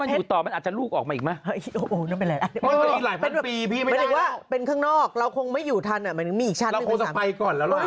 วูยมันต้องหลักมันต้องแพงมากแน่เลย